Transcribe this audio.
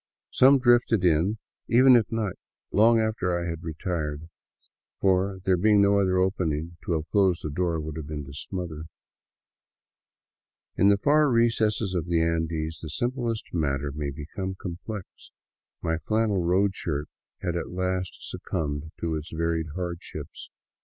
Some drifted in even at night, long after I had retired, for, there being no other opening, to have closed the door would have been to smother. In the far recesses of the Andes the simplest matter may become complex. My flannel road shirt had at last succumbed to its varied hardships.